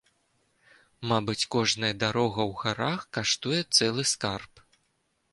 Мабыць, кожная дарога ў гарах каштуе цэлы скарб.